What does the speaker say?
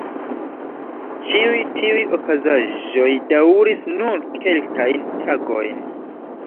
Ĉiuj tiuj okazaĵoj daŭris nur kelkajn tagojn.